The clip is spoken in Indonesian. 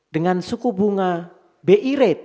dengan suku bunga bi rate